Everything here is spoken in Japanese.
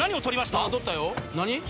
取ったよ何？